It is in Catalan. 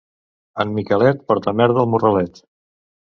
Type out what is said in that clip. En Miquelet porta merda al morralet.